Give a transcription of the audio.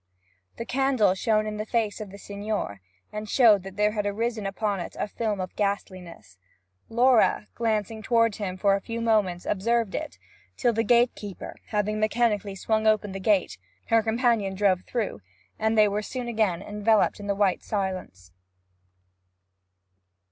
The candle shone in the face of the Signor and showed that there had arisen upon it a film of ghastliness. Laura, glancing toward him for a few moments observed it, till, the gatekeeper having mechanically swung open the gate, her companion drove through, and they were soon again enveloped in the white silence.